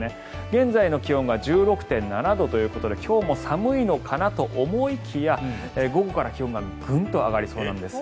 現在の気温が１６．７度ということで今日も寒いのかなと思いきや午後から気温がグンと上がりそうなんです。